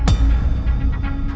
oh ini ada